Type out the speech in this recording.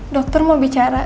dokter mau bicara